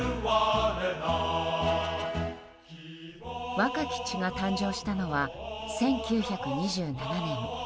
「若き血」が誕生したのは１９２７年。